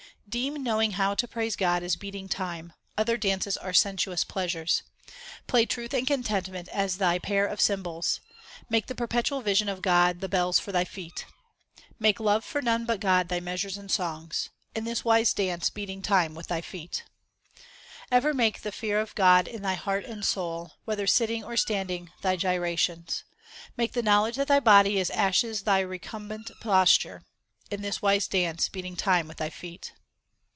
Deem knowing how to praise God as beating time : Other dances are sensuous pleasures. Play truth and contentment as thy pair of cymbals ; Make the perpetual vision of God the bells for thy feet ; Make love for none but God thy measures and songs In this wise dance beating time with thy feet. HYMNS OF GURU NANAK 305 Ever make the fear of God in thy heart and soul, Whether sitting or standing, thy gyrations. Make the knowledge that thy body is ashes thy recum bent posture 1 In this wise dance beating time with thy feet.